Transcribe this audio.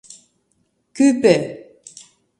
Кӱпӧ!